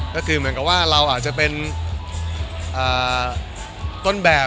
ก็คือเหมือนกับว่าเราอาจจะเป็นต้นแบบ